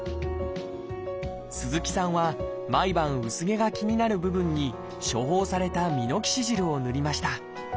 鈴木さんは毎晩薄毛が気になる部分に処方されたミノキシジルを塗りました。